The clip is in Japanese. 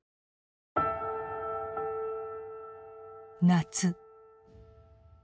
夏。